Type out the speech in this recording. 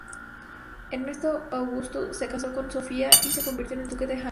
Ernesto Augusto se casó con Sofía y se convirtió en el duque de Hanóver.